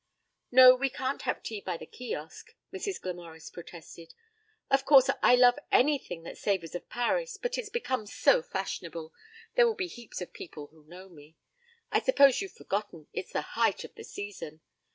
'No, we can't have tea by the Kiosk,' Mrs. Glamorys protested. 'Of course I love anything that savours of Paris, but it's become so fashionable. There will be heaps of people who know me. I suppose you've forgotten it's the height of the season.